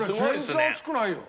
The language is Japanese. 俺全然熱くないよ。